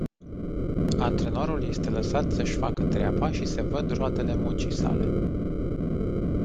Antrenorul este lăsat să-și facă treaba și se văd roadele muncii sale.